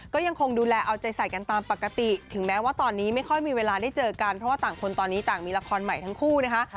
ก็ยังคงดูแลเอาใจใส่กันตามปกติถึงแม้ว่าตอนนี้ไม่ค่อยมีเวลาได้เจอกันเพราะว่าต่างคนตอนนี้ต่างมีละครใหม่ทั้งคู่นะคะ